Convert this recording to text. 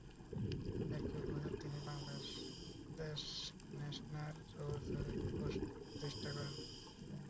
একই বছর তিনি বাংলাদেশ ন্যাশনাল রোজ সোসাইটি প্রতিষ্ঠা করেন।